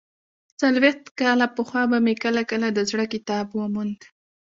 څلوېښت کاله پخوا به مې کله کله د زړه کتاب وموند.